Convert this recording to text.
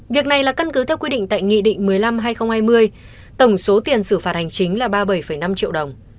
việc này là căn cứ theo quy định tại nghị định một mươi năm hai nghìn hai mươi tổng số tiền xử phạt hành chính là ba mươi bảy năm triệu đồng